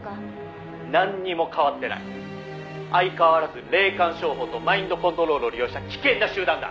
「なんにも変わってない」「相変わらず霊感商法とマインドコントロールを利用した危険な集団だ」